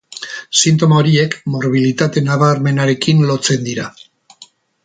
Sintoma horiek morbilitate nabarmenarekin lotzen dira.